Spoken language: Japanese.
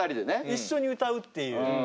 一緒に歌うっていう。